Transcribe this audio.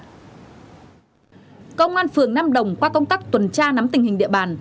công an phường nam đồng qua công tác tuần tra nắm tình hình địa bàn